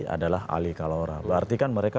adalah ali kalora berarti kan mereka